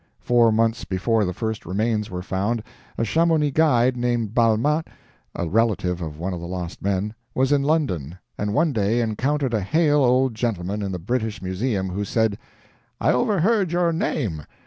Four months before the first remains were found, a Chamonix guide named Balmat a relative of one of the lost men was in London, and one day encountered a hale old gentleman in the British Museum, who said: "I overheard your name.